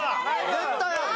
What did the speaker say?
絶対ある。